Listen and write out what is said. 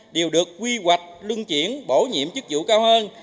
đều được quy hoạch lưng chuyển bổ nhiệm chức vụ cao hơn